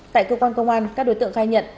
tại cơ quan công an các đối tượng khai nhận